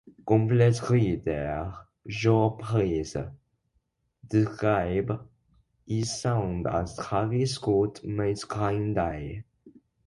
Complex writer Joe Price described his sound as "Travis Scott meets Green Day".